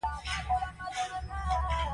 زما او د دریو تنو مخه د ډنمارک په لور وه.